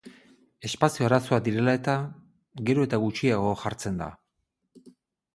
Espazio arazoak direla eta, gero eta gutxiago jartzen da.